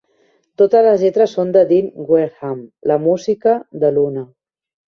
Totes les lletres són de Dean Wareham, la música, de Luna.